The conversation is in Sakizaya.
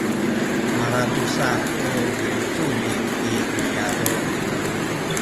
malatusa ku yincumin i niyazu’